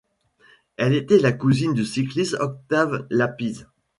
Elle était la cousine du cycliste Octave Lapize.